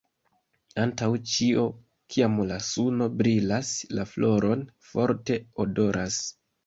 Antaŭ ĉio kiam la suno brilas la floroj forte odoras.